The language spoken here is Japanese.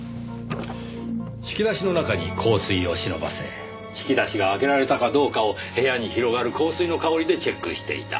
引き出しの中に香水を忍ばせ引き出しが開けられたかどうかを部屋に広がる香水の香りでチェックしていた。